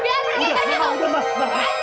berantem di rumah orang lagi